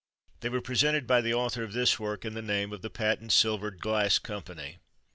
They were presented by the author of this work in the name of the Patent Silvered Glass Company.